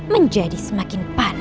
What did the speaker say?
menjadi semakin paham